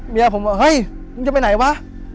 เมียผมว่าเฮ้ยมึงจะไปไหนวะ